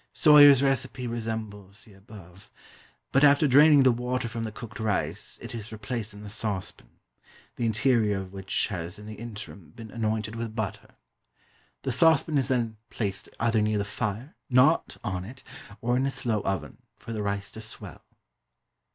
Soyer's recipe resembles the above; but, after draining the water from the cooked rice, it is replaced in the saucepan, the interior of which has in the interim been anointed with butter. The saucepan is then placed either near the fire (not on it), or in a slow oven, for the rice to swell.